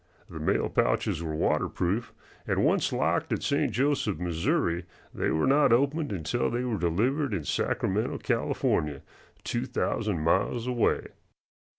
The mail pouches were waterproof, and once locked at St. Joseph, Missouri, they were not opened until they were delivered in Sacramento, California, two thousand miles away.